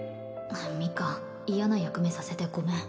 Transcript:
ミカン嫌な役目させてごめん